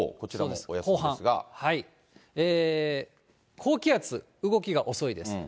高気圧、動きが遅いです。